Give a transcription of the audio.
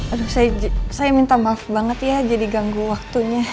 aduh saya minta maaf banget ya jadi ganggu waktunya